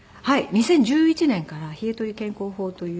２０１１年から冷えとり健康法という。